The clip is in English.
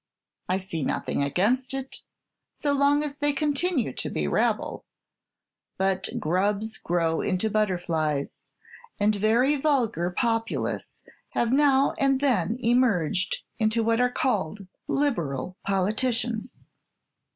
I see nothing against it, so long as they continue to be rabble; but grubs grow into butterflies, and very vulgar populace have now and then emerged into what are called liberal politicians."